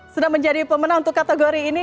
sudah menjadi pemenang untuk kategori ini